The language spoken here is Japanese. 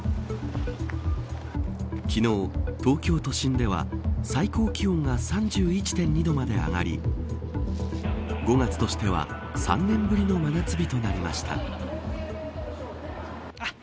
昨日、東京都心では最高気温が３１．２度まで上がり５月としては３年ぶりの真夏日となりました。